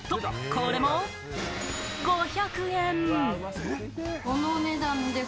これも５００円！